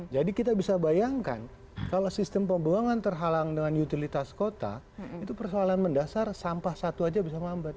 kita bisa bayangkan kalau sistem pembuangan terhalang dengan utilitas kota itu persoalan mendasar sampah satu aja bisa mambat